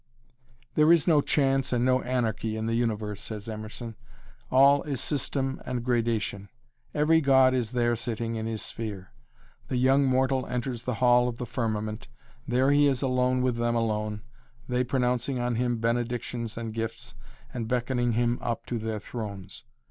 "There is no chance and no anarchy in the Universe," says Emerson, "all is system and gradation. Every god is there sitting in his sphere. The young mortal enters the hall of the firmament; there he is alone with them alone, they pronouncing on him benedictions and gifts, and beckoning him up to their thrones.